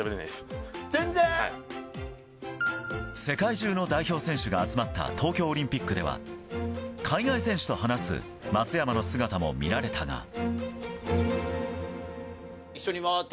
世界中の代表選手が集まった東京オリンピックでは海外選手と話す松山の姿も見られたが。